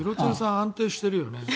安定してるよね。